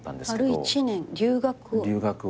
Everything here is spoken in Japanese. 丸１年留学を？